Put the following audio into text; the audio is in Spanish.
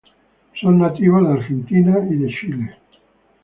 Son nativos de Argentina y de Chile.